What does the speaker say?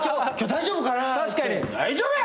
大丈夫や！